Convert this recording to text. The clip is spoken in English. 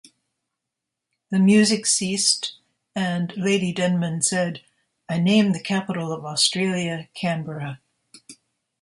The music ceased and Lady Denman said, I name the capital of Australia Canberra.